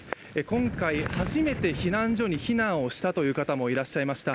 今回初めて避難所に避難をしたという方もいらっしゃいました。